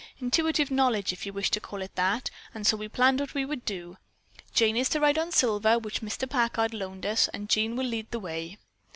Intuitive knowledge, if you wish to call it that, and so we planned what we would do. Jane is to ride on Silver, which Mr. Packard loaned us, and Jean will lead the way."